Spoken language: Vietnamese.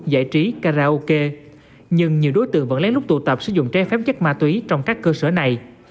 giải trí karaoke nhưng nhiều đối tượng vẫn lén lút tụ tập sử dụng trái phép chất ma túy trong các cơ sở này